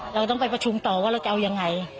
เราต้องไปประชุมต่อว่าเราจะเอายังไง